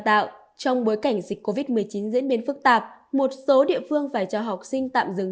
tạo trong bối cảnh dịch covid một mươi chín diễn biến phức tạp một số địa phương phải cho học sinh tạm dừng